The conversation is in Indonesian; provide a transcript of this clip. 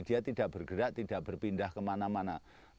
dia tidak bergerak tidak berpindah kemana mana